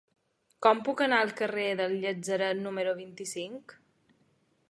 Com puc anar al carrer del Llatzeret número vint-i-cinc?